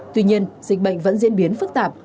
tuy nhiên dịch bệnh vẫn diễn biến phức tạp